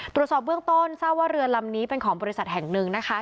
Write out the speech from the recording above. ตรวจสอบเบื้องต้นทราบว่าเรือลำนี้เป็นของบริษัทแห่งหนึ่งนะคะ